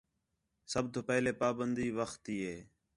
سب تو پہلے پابندی وخت تی